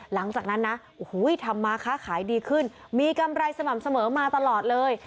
หลังจากนั้นนะโอ้โหทำมาค้าขายดีขึ้นมีกำไรสม่ำเสมอมาตลอดเลย